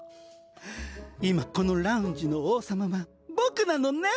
今このラウンジの王様は僕なのねん！